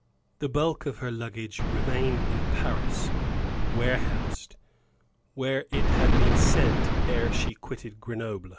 The bulk of her luggage remained in Paris, warehoused, where it had been sent ere she quitted Grenoble.